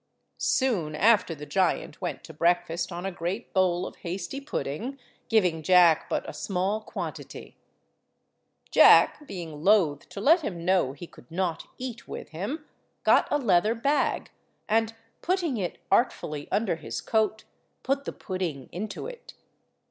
Soon after the giant went to breakfast on a great bowl of hasty pudding, giving Jack but a small quantity. Jack, being loath to let him know he could not eat with him, got a leather bag, and, putting it artfully under his coat, put the pudding into it.